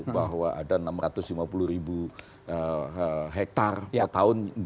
bahwa ada enam ratus lima puluh ribu hektare per tahun